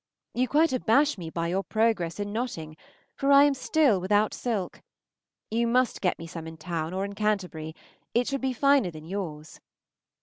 You quite abash me by your progress in notting, for I am still without silk. You must get me some in town or in Canterbury; it should be finer than yours.